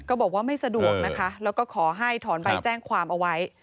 บอกว่าไม่สะดวกนะคะแล้วก็ขอให้ถอนใบแจ้งความเอาไว้